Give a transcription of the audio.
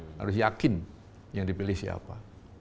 harus yakin yang dipilih siapa